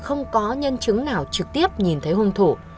không có nhân chứng nào trực tiếp nhìn thấy hung thủ